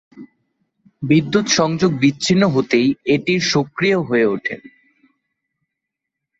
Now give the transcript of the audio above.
বিদ্যুৎ সংযোগ বিচ্ছিন্ন হতেই এটির সক্রিয় হয়ে উঠে।